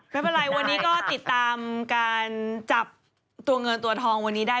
ไม่เป็นไรวันนี้ก็ติดตามการจับตัวเงินตัวทองวันนี้ได้